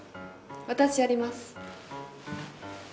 私やります。